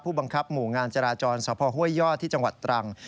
บังคับหมู่งานจราจรสพห้วยยอดที่จังหวัดตรัง